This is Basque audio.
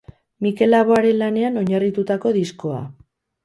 Mikel Laboaren lanean oinarritutako diskoa.